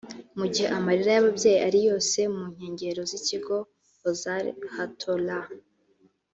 Mu gihe amarira y’ababyeyi ari yose mu nkengero z’ikigo Ozar Hatorah